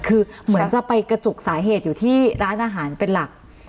คือเหมือนจะไปกระจุกสาเหตุอยู่ที่ร้านอาหารเป็นหลัก